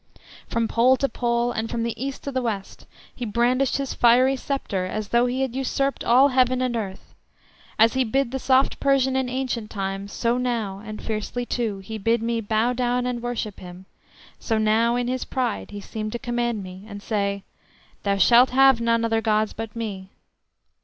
From pole to pole, and from the east to the west, he brandished his fiery sceptre as though he had usurped all heaven and earth. As he bid the soft Persian in ancient times, so now, and fiercely too, he bid me bow down and worship him; so now in his pride he seemed to command me, and say, "Thou shalt have none other gods but me."